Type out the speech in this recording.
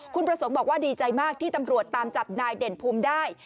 คุณประสงค์บอกว่าดีใจมากที่ตำรวจตามจับนายเด่นภูมิได้